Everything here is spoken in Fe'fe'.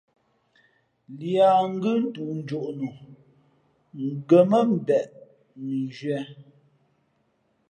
Līā ngʉ́ toonjoʼ no, ngα̌ mά mbeʼ mʉnzhwē.